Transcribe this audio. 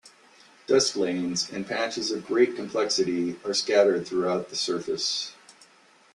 Dust lanes and patches of great complexity are scattered throughout the surface.